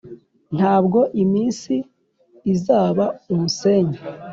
ntabwo iminsi izaba umusenyi